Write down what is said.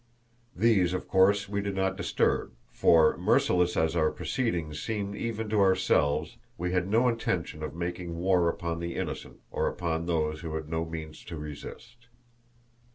These, of course, we did not disturb, for merciless as our proceedings seemed even to ourselves, we had no intention of making war upon the innocent, or upon those who had no means to resist.